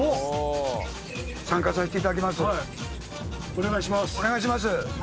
お願いします。